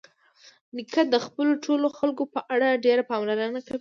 نیکه د خپلو ټولو خلکو په اړه ډېره پاملرنه کوي.